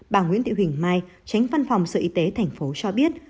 bà nguyễn thị huỳnh mai tránh văn phòng sự y tế tp hcm cho biết